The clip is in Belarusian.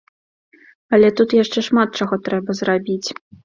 Але тут яшчэ шмат чаго трэба зрабіць.